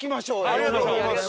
ありがとうございます。